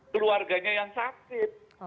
keluarganya yang sakit